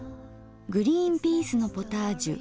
「グリーンピースのポタージュ」。